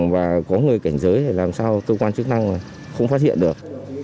và có người cảnh giới để làm sao cơ quan chức năng không phát hiện được